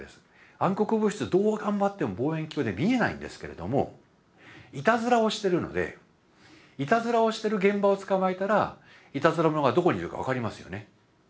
暗黒物質どう頑張っても望遠鏡で見えないんですけれどもいたずらをしてるのでいたずらをしてる現場をつかまえたらいたずら者がどこにいるか分かりますよね。